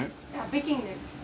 北京です。